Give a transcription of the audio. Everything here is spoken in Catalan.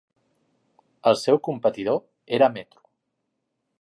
El seu competidor era "Metro".